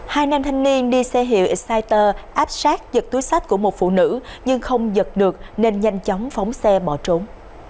hai nam thanh niên đi xe hiệu exciter áp sát giật túi sách của một phụ nữ nhưng không giật được nên nhanh chóng phóng xe bỏ trốn